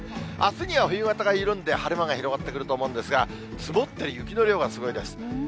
あすには冬型が緩んで晴れ間が広がってくると思うんですが、積もってる雪の量がすごいです。